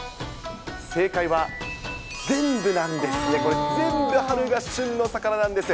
正解は全部なんですね、これ、全部春が旬の魚なんです。